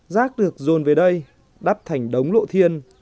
rác được dồn về đây đắp thành đống lộ thiên